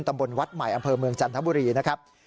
ตำบลวัดใหม่อำเภอเมืองจันทบุรีนะครับ